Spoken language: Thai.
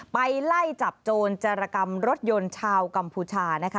ไปไล่จับโจรจรกรรมรถยนต์ชาวกัมพูชานะคะ